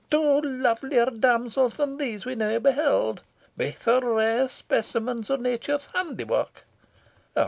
Twa lovelier damsels than these we never beheld. Baith are rare specimens o' Nature's handiwark."